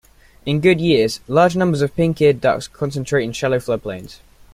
In good years, large numbers of pink-eared ducks concentrate in shallow flood plains.